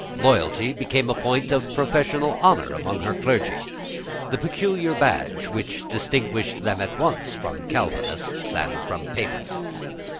Loyalty became a point of professional honour among her clergy, the peculiar badge which distinguished them at once from Calvinists and from Papists.